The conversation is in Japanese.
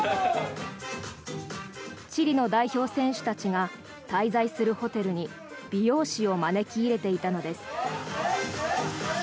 チリの代表選手たちが滞在するホテルに美容師を招き入れていたのです。